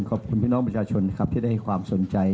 ขอบคุณพี่น้องประชาชนที่ได้ความสนใจ